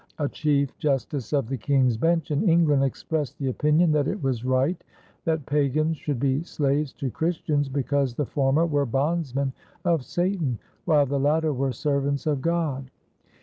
A chief justice of the King's Bench in England expressed the opinion that it was right that pagans should be slaves to Christians, because the former were bondsmen of Satan while the latter were servants of God.